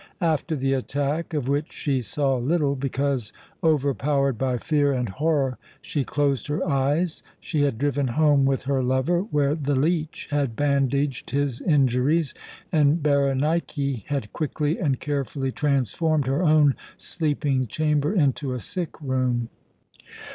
After the attack of which she saw little, because, overpowered by fear and horror, she closed her eyes she had driven home with her lover, where the leech had bandaged his injuries, and Berenike had quickly and carefully transformed her own sleeping chamber into a sick room.